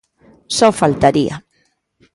Só faltaría.